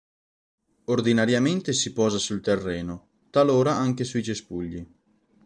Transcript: Ordinariamente si posa sul terreno, talora anche sui cespugli.